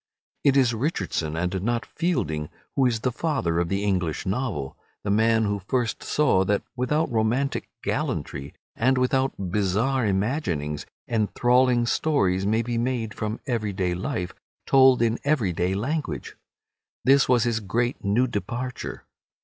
It is Richardson and not Fielding who is the father of the English novel, the man who first saw that without romantic gallantry, and without bizarre imaginings, enthralling stories may be made from everyday life, told in everyday language. This was his great new departure.